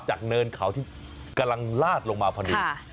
ที่มันรับเรือนเขาที่กำลังลาดลงมาพอดี